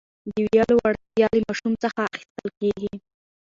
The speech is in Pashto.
د ویلو وړتیا له ماشوم څخه اخیستل کېږي.